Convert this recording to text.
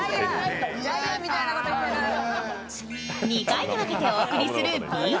２回に分けてお送りするＢＤＳ。